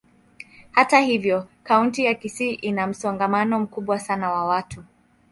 Hata hivyo, kaunti ya Kisii ina msongamano mkubwa sana wa watu.